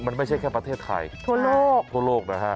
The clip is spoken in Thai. มันไม่ใช่แค่ประเทศไทยทั่วโลกทั่วโลกนะฮะ